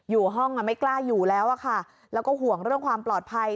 อยู่ห้องไม่กล้าอยู่แล้วอะค่ะแล้วก็ห่วงเรื่องความปลอดภัย